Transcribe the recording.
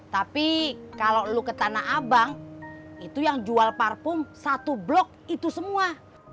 tapi kalau lo ke tanah abang itu yang jual parfum satu blok itu semua